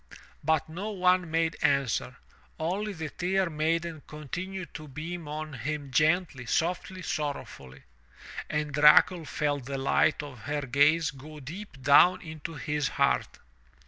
But no one made answer. Only the Tear Maiden continued to beam on him gently, softly, sorrowfully. And Dracul felt the light of her gaze go deep down into his heart.